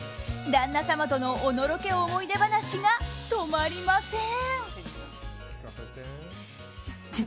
旦那様とのおのろけ思い出話が止まりません。